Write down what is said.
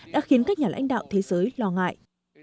đã khiến các nhà lãnh đạo thế giới lo ngại